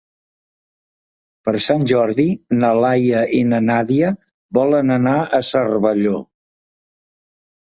Per Sant Jordi na Laia i na Nàdia volen anar a Cervelló.